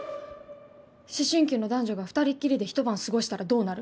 思春期の男女が二人っきりでひと晩過ごしたらどうなる？